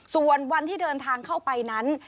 ส่วนวันที่เดินทางเข้าไปนั้น